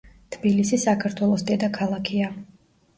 თბილისი საქართველოს დედაქალაქია